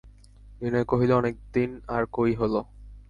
বিনয় কহিল, অনেক দিন আর কই হল?